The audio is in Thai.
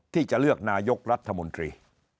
ที่จะเลือกนายกรัฐมนตรี